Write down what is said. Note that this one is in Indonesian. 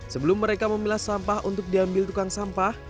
sebelum mereka memilah sampah untuk diambil tukang sampah